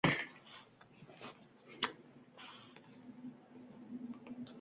Shundagina aka-uka bir-birini ko‘rmasa turolmasligini, bir-biriga kerak ekanligini tushunishibdi.